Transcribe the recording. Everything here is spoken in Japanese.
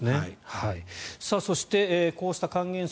そして、こうした還元策